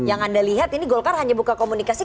yang anda lihat ini golkar hanya buka komunikasi